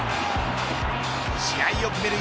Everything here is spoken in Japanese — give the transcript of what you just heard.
試合を決める